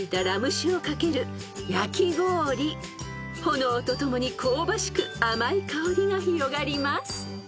［炎と共に香ばしく甘い香りが広がります］